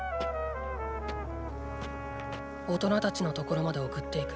大人たちの所まで送っていく。